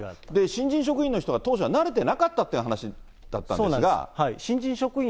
新人職員の人が当初は慣れてなかったという話だったんですが。